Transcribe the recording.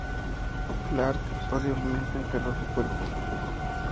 Clark posiblemente enterró su cuerpo.